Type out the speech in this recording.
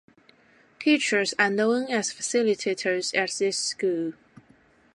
Teachers are known as "facilitators" at this school.